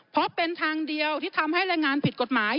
เพราะเป็นทางเดียวที่ทำให้แรงงานผิดกฎหมาย